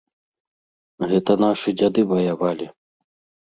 Гэта нашы дзяды ваявалі.